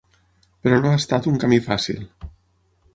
Però no ha estat un camí fàcil.